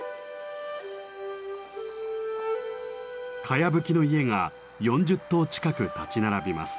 かやぶきの家が４０棟近く立ち並びます。